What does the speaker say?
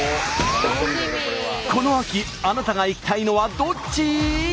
この秋あなたが行きたいのはどっち？